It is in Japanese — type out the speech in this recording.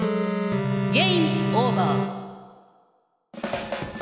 ゲームオーバー。